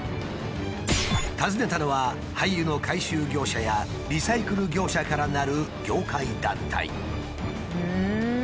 訪ねたのは廃油の回収業者やリサイクル業者からなる業界団体。